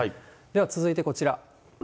では続いてこちら。